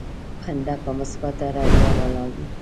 بنده په مثبته رويه ولاړ وي.